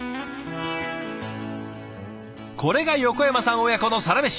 これが横山さん親子のサラメシ。